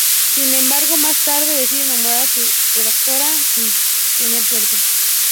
Sin embargo "más tarde" decide enamorar a su redactora sin tener suerte.